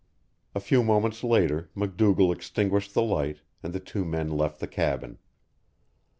A few moments later MacDougall extinguished the light, and the two men left the cabin.